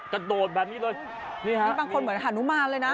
กระโดดแบบนี้เลยนี่ฮะนี่บางคนเหมือนฮานุมานเลยนะ